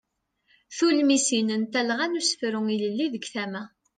Tulmisin n talɣa n usefru ilelli deg tama.